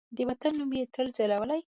د وطن نوم یې تل ځلولی